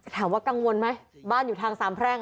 ถามว่ากังวลไหมบ้านอยู่ทางสามแพร่ง